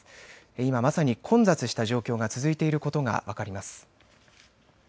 今まさに混雑した状況が続いていることが分かります。